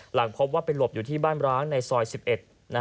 หลังพบว่าไปหลบอยู่ที่บ้านร้างในซอย๑๑